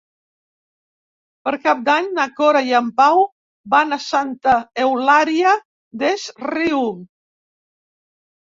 Per Cap d'Any na Cora i en Pau van a Santa Eulària des Riu.